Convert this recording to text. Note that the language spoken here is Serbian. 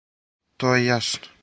То је јасно.